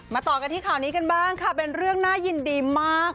ต่อกันที่ข่าวนี้กันบ้างค่ะเป็นเรื่องน่ายินดีมาก